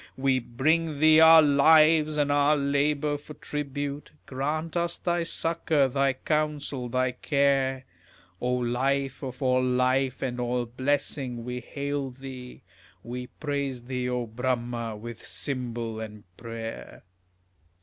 We bring thee our lives and our labours for tribute, Grant us thy succour, thy counsel, thy care. O Life of all life and all blessing, we hail thee, We praise thee, O Bramha, with cymbal and prayer.